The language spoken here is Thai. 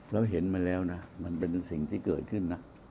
เราเห็นมาแล้วนะมันเป็นสิ่งที่เกิดขึ้นนะ